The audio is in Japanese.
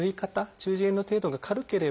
中耳炎の程度が軽ければ